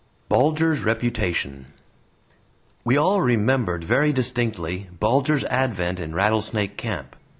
BULGER'S REPUTATION We all remembered very distinctly Bulger's advent in Rattlesnake Camp.